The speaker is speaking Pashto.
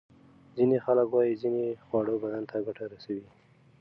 ځینې خلک وايي ځینې خواړه بدن ته ګټه رسوي.